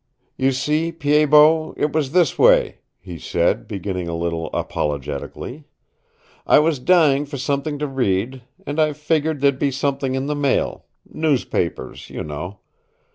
"You see, Pied Bot, it was this way," he said, beginning a little apologetically. "I was dying for something to read, and I figgered there'd be something on the Mail newspapers, you know.